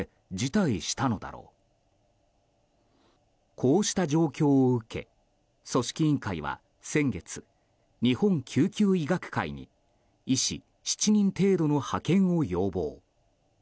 こうした状況を受け組織委員会は先月日本救急医学会に医師７人程度の派遣を要望。